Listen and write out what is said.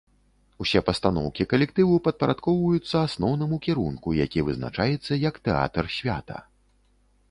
Усе пастаноўкі калектыву падпарадкоўваюцца асноўнаму кірунку, які вызначаецца як тэатр-свята.